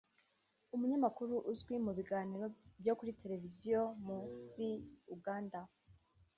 umunyamakuru uzwi mu biganiro byo kuri Televiziyo muri Uganda